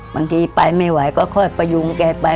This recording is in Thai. บางทีไปไม่ไหวก็ค่อยประยุงแกไป